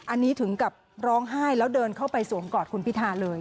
อันนี้ถึงกับร้องไห้แล้วเดินเข้าไปสวมกอดคุณพิธาเลย